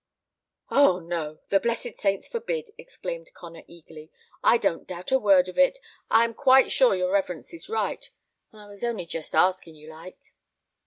"Oh, no! the blessed saints forbid!" exclaimed Connor, eagerly. "I don't doubt a word of it; I am quite sure your reverence is right; I was only just asking you, like!"